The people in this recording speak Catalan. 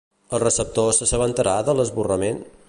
El receptor s'assabentarà de l'esborrament?